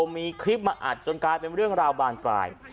มีคลิปมาอัดจนกลายเป็นเรื่องราวบานปลาย